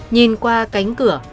nhìn qua cánh cửa